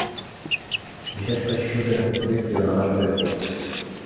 বিশেষ করে শিশুদের কাছে খুবই প্রিয় নানা স্বাদের কেক।